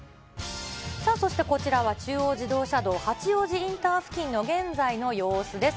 さあ、そしてこちらは、中央自動車道八王子インターチェンジ付近の現在の様子です。